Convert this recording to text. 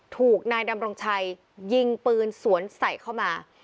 ถูกนายดำรงชัยยิงปืนสวนใส่เข้ามา